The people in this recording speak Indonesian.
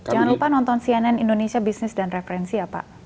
jangan lupa nonton cnn indonesia bisnis dan referensi ya pak